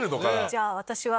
じゃあ私は。